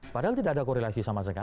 padahal tidak ada korelasi sama sekali